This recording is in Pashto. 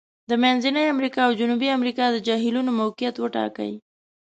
د منځني امریکا او جنوبي امریکا د جهیلونو موقعیت وټاکئ.